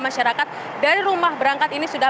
masyarakat dari rumah berangkat ini sudah